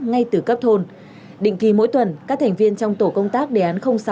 ngay từ cấp thôn định kỳ mỗi tuần các thành viên trong tổ công tác đề án sáu